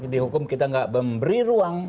di hukum kita tidak memberi ruang